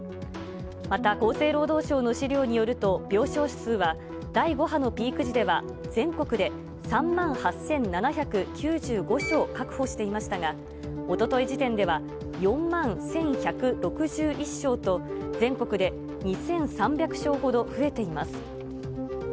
また厚生労働省の資料によると、病床数は第５波のピーク時では、全国で３万８７９５床確保していましたが、おととい時点では４万１１６１床と、全国で２３００床ほど増えています。